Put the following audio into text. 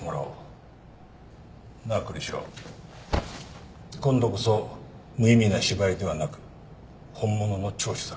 なあ栗城今度こそ無意味な芝居ではなく本物の聴取だ。